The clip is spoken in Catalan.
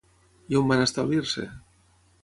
I on van establir-se?